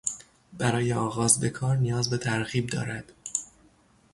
برای آغاز به کار نیاز به ترغیب دارد.